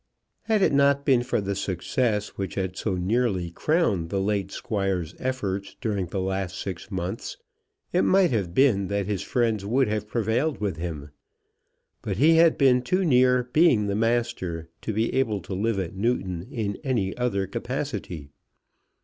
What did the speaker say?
Had it not been for the success which had so nearly crowned the late Squire's efforts during the last six months, it might have been that his friends would have prevailed with him. But he had been too near being the master to be able to live at Newton in any other capacity.